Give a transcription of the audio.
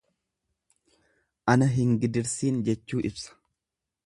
Ana hin gidirsiin jechuu ibsa.